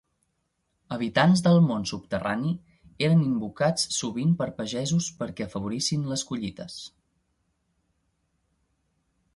Habitants del món subterrani, eren invocats sovint pels pagesos perquè afavorissin les collites.